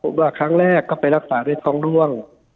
ว่าครั้งแรกก็ไปรักษาด้วยท้องร่วง